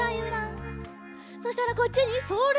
そしたらこっちにそれ！